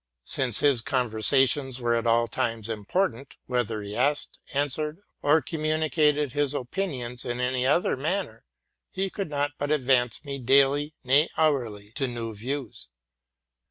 Since his conversations were at all times important, whether he asked, answered, or communicated his opinions in any other manner, he could not but advance me daily, nay, hourly, to new views.